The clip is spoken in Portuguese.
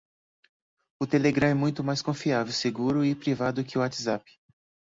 O Telegram é muito mais confiável, seguro e privado que o Whatsapp